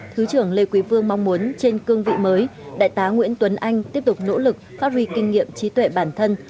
thứ trưởng lê quý vương mong muốn trên cương vị mới đại tá nguyễn tuấn anh tiếp tục nỗ lực phát huy kinh nghiệm trí tuệ bản thân